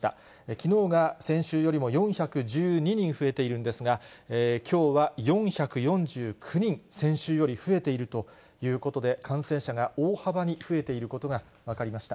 きのうが先週よりも４１２人増えているんですが、きょうは４４９人、先週より増えているということで、感染者が大幅に増えていることが分かりました。